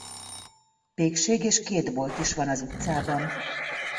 Pékség és két bolt is van az utcában.